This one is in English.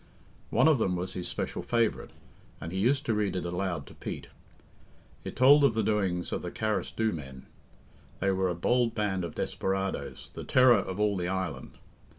One of them was his special favourite, and he used to read it aloud to Pete. It told of the doings of the Carrasdhoo men. They were a bold band of desperadoes, the terror of all the island.